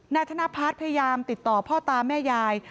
นายธนพัฒน์พยายามติดต่อพ่อตาแม่ยาย